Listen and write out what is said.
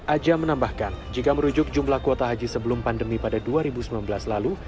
aja menambahkan jika merujuk jumlah kuota haji sebelum pandemi pada dua ribu sembilan belas lalu